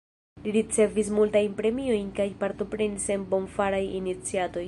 Li ricevis multajn premiojn kaj partoprenis en bonfaraj iniciatoj.